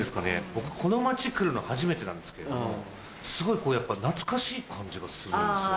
僕この町来るの初めてなんですけどもすごいこうやっぱ懐かしい感じがするんですよね。